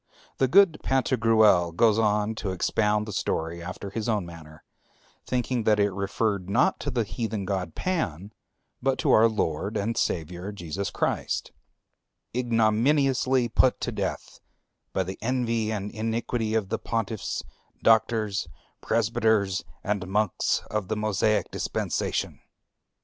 The good Pantagruel goes on to expound the story after his own manner, thinking that it referred not to the heathen god Pan, but to our Lord and Savior, Jesus Christ, "ignominiously put to death by the envy and iniquity of the pontiffs, doctors, presbyters, and monks of the Mosaic dispensation...."